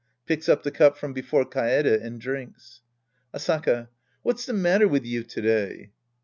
{Picks up the cup from before Kaede and drinks!) Asaka. What's the matter with you to day